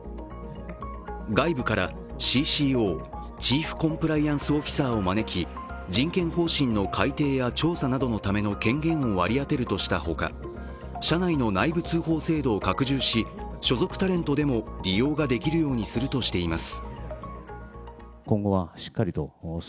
外部からＣＣＯ＝チーフコンプライアンスオフィサーを招き人権方針の改定や調査などのための権限を割り当てるとしたほか、社内の内部通報制度を拡充し所属タレントでも利用ができるようにするとしています。